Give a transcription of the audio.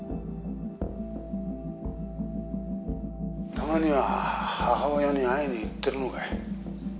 「たまには母親に会いに行ってるのかい？」